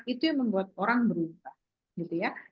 itu yang membuat orang berubah